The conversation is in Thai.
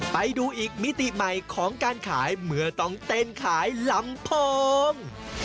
ไปดูอีกมิติใหม่ของการขายเมื่อต้องเต้นขายลำโพง